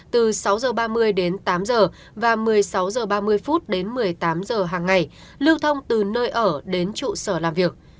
từ sáu h ba mươi đến tám h và một mươi sáu h ba mươi đến một mươi tám h hàng ngày lưu thông từ nơi ở đến trụ sở làm việc